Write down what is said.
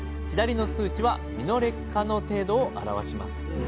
左の数値は身の劣化の程度を表します。